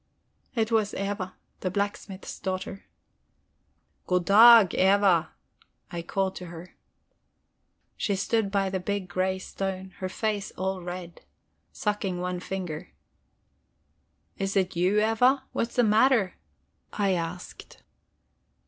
It was Eva, the blacksmith's daughter. "Goddag, Eva!" I called to her. She stood by the big grey stone, her face all red, sucking one finger. "Is it you, Eva? What is the matter?" I asked.